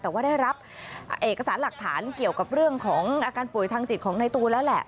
แต่ว่าได้รับเอกสารหลักฐานเกี่ยวกับเรื่องของอาการป่วยทางจิตของในตูนแล้วแหละ